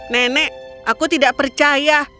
nenek aku tidak percaya